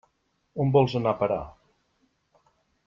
On vols anar a parar?